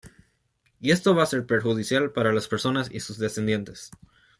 Y esto va a ser perjudicial para las personas y sus descendientes.